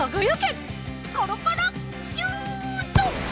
コロコロシュート！